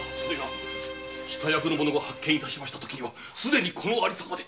下役が発見しました時はすでにこの有様で。